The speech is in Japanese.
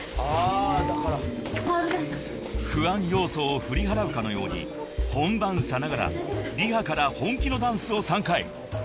［不安要素を振り払うかのように本番さながらリハから本気のダンスを３回］